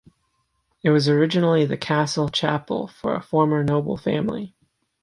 It was originally the castle chapel for a former noble family.